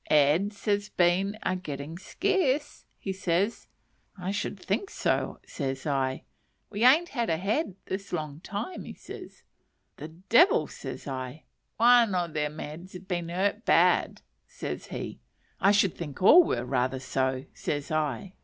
"Eds has been a getting scarce," says he. "I should think so," says I. "We an't ad a ed this long time," says he. "The devil!" says I. "One o' them eds has been hurt bad," says he. "I should think all were rather so," says I.